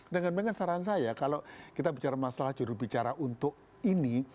dengan mengen saran saya kalau kita bicara masalah juru bicara untuk ini